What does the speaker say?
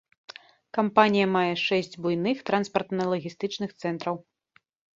Кампанія мае шэсць буйных транспартна-лагістычных цэнтраў.